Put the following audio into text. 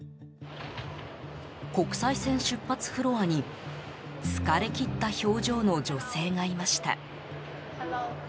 国際線出発フロアに疲れ切った表情の女性がいました。